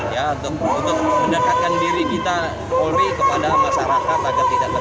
ya untuk mendekatkan diri kita polri kepada masyarakat agar tidak terdekat